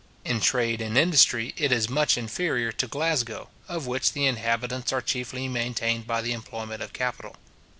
In trade and industry, it is much inferior to Glasgow, of which the inhabitants are chiefly maintained by the employment of capital.